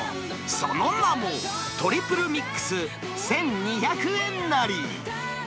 その名も、トリプルミックス１２００円なり。